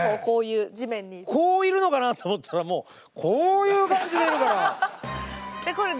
こういるのかなと思ったらもうこういう感じでいるから。